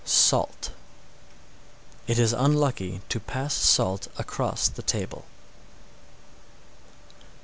644. It is unlucky to pass salt across the table.